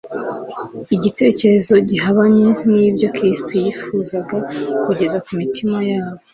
igitekerezo gihabanye n'ibyo Kristo yifuzaga kugeza ku mitima yabo